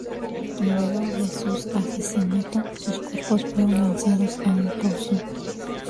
Luego de sus asesinato, sus cuerpos fueron lanzados a un pozo.